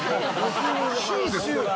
「州」ですよ！